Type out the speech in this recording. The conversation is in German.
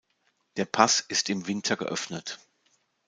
Der Pass ist im Winter geöffnet.